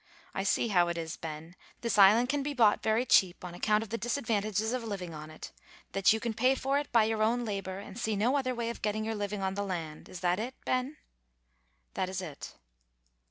I see how it is, Ben; this island can be bought very cheap, on account of the disadvantages of living on it; that you can pay for it by your own labor, and see no other way of getting your living on the land. Is that it, Ben?" "That is it."